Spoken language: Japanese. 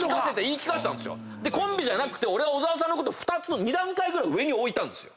コンビじゃなくて小沢さんのこと２段階ぐらい上に置いたんです。